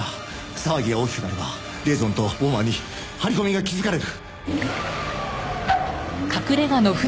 騒ぎが大きくなればリエゾンとボマーに張り込みが気づかれる。